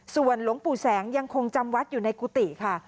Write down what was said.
ส่วนหลวงปู่แสงยังคงจำวัดอยู่ในกุฏิค่ะ